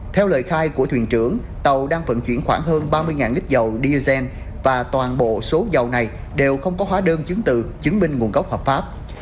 theo lời khai của thuyền trưởng tàu đang vận chuyển khoảng hơn ba mươi lít dầu diesel và toàn bộ số dầu này đều không có hóa đơn chứng từ chứng minh nguồn gốc hợp pháp